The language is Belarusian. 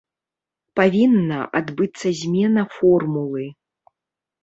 Павінна адбыцца змена формулы.